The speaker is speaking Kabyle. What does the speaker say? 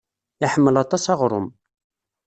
Iḥemmel aṭas aɣrum.